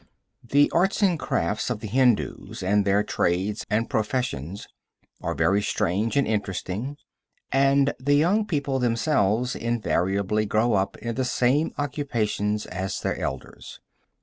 The arts and crafts of the Hindus and their trades and professions are very strange and interesting, and the young people themselves invariably grow up in the same occupations as their elders.